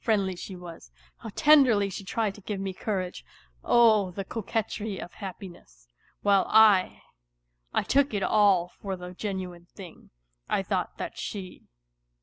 friendly she was; how tenderly she tried to give me couragej __ Oh, the coquetry ~of kappine'ssT While I . TT I tookTt all for the genuine thing, I thought that she.